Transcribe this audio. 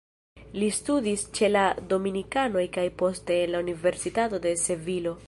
Li studis ĉe la dominikanoj kaj poste en la Universitato de Sevilo.